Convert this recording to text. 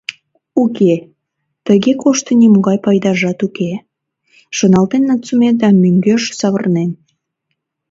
«Уке, тыге коштын, нимогай пайдажат уке!» — шоналтен Нацуме да мӧҥгеш савырнен.